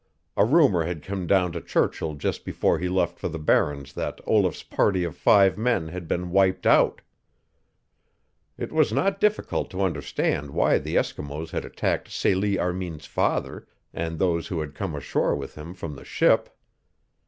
A rumor had come down to Churchill just before he left for the Barrens that Olaf's party of five men had been wiped out. It was not difficult to understand why the Eskimos had attacked Celie Armin's father and those who had come ashore with him from the ship.